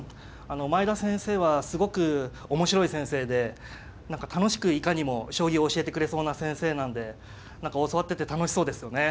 前田先生はすごく面白い先生で何か楽しくいかにも将棋を教えてくれそうな先生なんで何か教わってて楽しそうですよね。